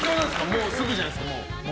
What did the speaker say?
もうすぐじゃないですか。